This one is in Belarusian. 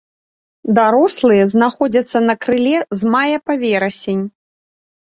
Дарослыя знаходзяцца на крыле з мая па верасень.